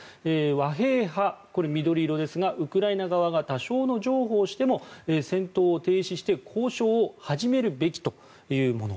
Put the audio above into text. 和平派、これは緑色ですがウクライナ側が多少の譲歩をしても戦闘を停止して交渉を始めるべきというもの。